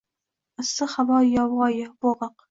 Issiq havo yovvoyi, bo’g’iq